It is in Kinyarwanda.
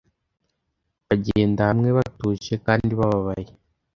Bagenda hamwe batuje kandi bababaye,